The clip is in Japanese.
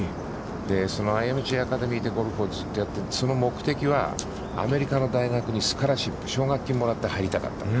そのＩＭＧアカデミーで、ずっとゴルフをやって、その目的は、アメリカの大学にスカラシップ奨学金をもらって入りたかった。